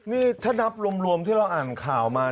นี่ถ้านับรวมที่เราอ่านข่าวมา